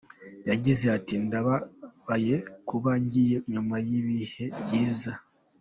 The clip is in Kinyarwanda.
Yagize ati “Ndababaye kuba ngiye nyuma y’ibihe byiza.